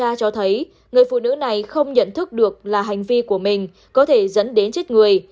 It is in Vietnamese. điều tra cho thấy người phụ nữ này không nhận thức được là hành vi của mình có thể dẫn đến chết người